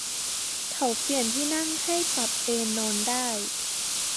เขาเปลี่ยนที่นั่งให้ปรับเอนนอนได้